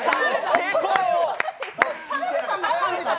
成功。